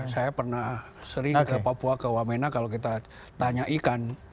saya pernah sering ke papua ke wamena kalau kita tanya ikan